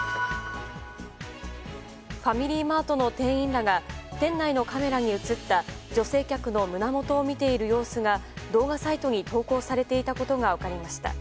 ファミリーマートの店員らが店内のカメラに映った女性客の胸元を見ている様子が動画サイトに投稿されていたことが分かりました。